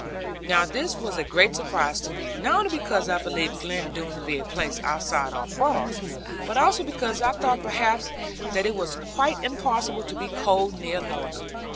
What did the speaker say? Now this was a great surprise to me; not only because I believed Glen Doone to be a place outside all frost, but also because I thought perhaps that it was quite impossible to be cold near Lorna.